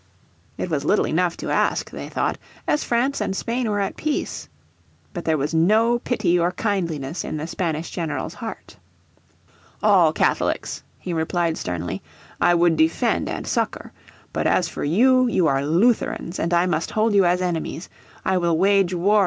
It was little enough to ask, they thought, as France and Spain were at peace. But there was no pity or kindliness in the Spanish general's heart. "All Catholics," he replied sternly, "I would defend and succour. But as for you, you are Lutherans, and I must hold you as enemies.